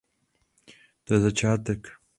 To je začátek.